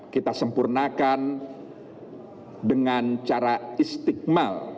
kita sempurnakan dengan cara istiqmal